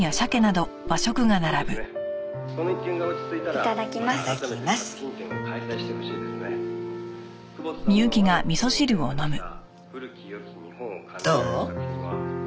どう？